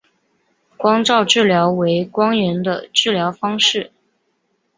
光照治疗为光源的治疗方式。